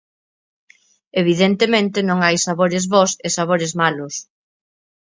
Evidentemente non hai sabores bos e sabores malos.